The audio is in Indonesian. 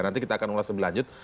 nanti kita akan ulas lebih lanjut